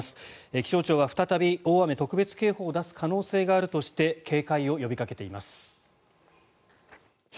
気象庁は再び大雨特別警報を出す可能性があるとして警戒を呼びかけています。